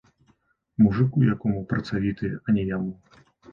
Мужыку якому працавітая, а не яму!